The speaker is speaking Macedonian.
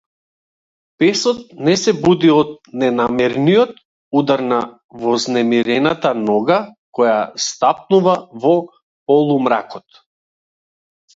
Песот не се буди од ненамерниот удар на вознемирената нога која стапнува во полумракот.